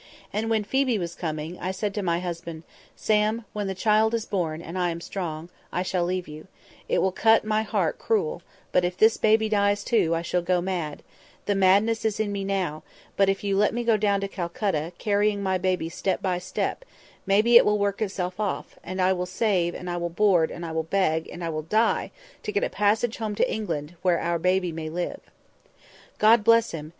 And when Phoebe was coming, I said to my husband, 'Sam, when the child is born, and I am strong, I shall leave you; it will cut my heart cruel; but if this baby dies too, I shall go mad; the madness is in me now; but if you let me go down to Calcutta, carrying my baby step by step, it will, maybe, work itself off; and I will save, and I will hoard, and I will beg—and I will die, to get a passage home to England, where our baby may live?' God bless him!